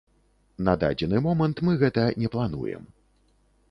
На дадзены момант мы гэта не плануем.